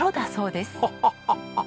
ハハハハ！